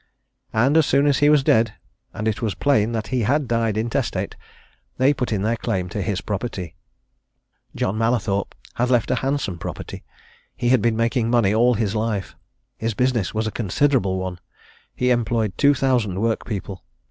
And as soon as he was dead, and it was plain that he had died intestate, they put in their claim to his property. John Mallathorpe had left a handsome property. He had been making money all his life. His business was a considerable one he employed two thousand workpeople.